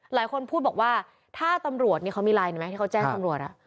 หลายคนพูดว่าถ้าตำรวจนี่เค้ามีไลน์แ้งใช้บอกนะ